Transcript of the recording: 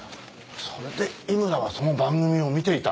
それで井村はその番組を見ていた。